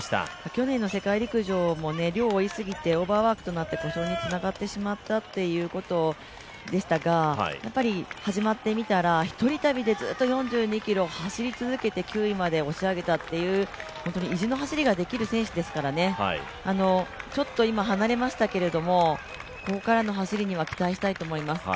去年の世界陸上も、涼を追いすぎて故障につながってしまったということでしたが、始まってみたら、１人旅でずっと４２ｋｍ走り続けて９位まで押し上げたという意地の走りができる選手ですから、ちょっと今離れましたけれどもここからの走りには期待したいと思います。